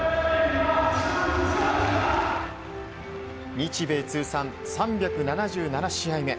日米通算３７７試合目。